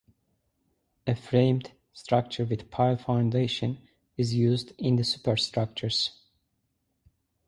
A framed structure with pile foundation is used in the superstructures.